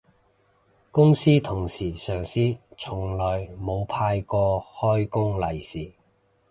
公司同事上司從來冇派過開工利是